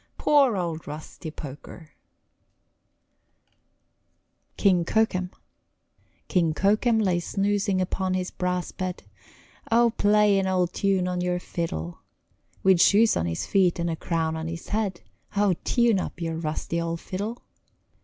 Poor old Rusty Poker! KING KOKEM King Kokem lay snoozing upon his brass bed Oh, play an old tune on your fiddle! With shoes on his feet, and a crown on his head Oh, tune up your rusty old fiddle!